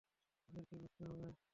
আমাদেরকে বুঝতে হবে।